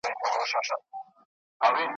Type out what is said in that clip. مسافرو وو خپل مرګ داسي هېر کړی `